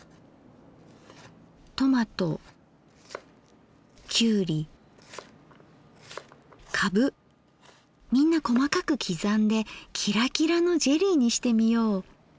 トマトきゅうりカブみんな細かく刻んでキラキラのジェリーにしてみよう。